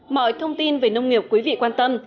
mọi thông tin về nông nghiệp quý vị quan tâm